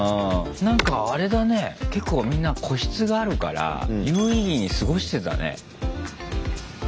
なんかあれだね結構みんな個室があるから有意義に過ごしてたね。